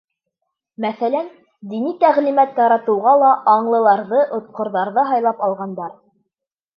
Мәҫәлән: Дини тәғлимәт таратыуға ла аңлыларҙы, отҡорҙарҙы һайлап алғандар.